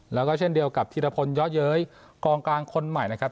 แล้วก็เช่นเดียวกับธีรพลย่อเย้ยกองกลางคนใหม่นะครับ